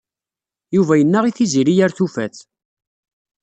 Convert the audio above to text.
Yuba yenna i Tiziri ar tufat.